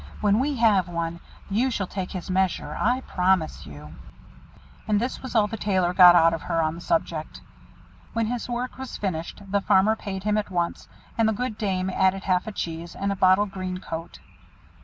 when we have one, you shall take his measure, I promise you." And this was all the Tailor got out of her on the subject. When his work was finished, the Farmer paid him at once; and the good dame added half a cheese, and a bottle green coat.